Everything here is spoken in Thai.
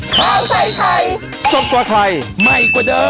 โปรดติดตามตอนต่อไป